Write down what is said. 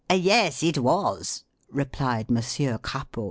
"Yes it was !" replied Monsieur Crapaud.